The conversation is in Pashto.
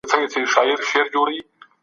غلامي د جهالت پایله ده.